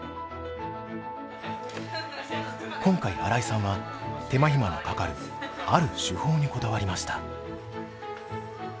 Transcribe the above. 今回新井さんは手間暇のかかるある手法にこだわりました。